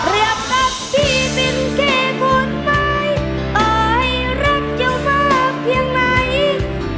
เรียบกับพี่เป็นแค่คนใหม่ต่อให้รักเจ้ามากเพียงไหน